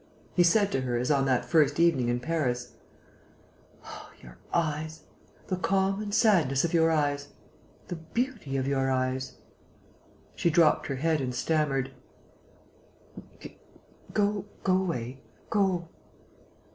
He said to her, as on that first evening in Paris: "Oh, your eyes ... the calm and sadness of your eyes ... the beauty of your eyes!" She dropped her head and stammered: "Go away ... go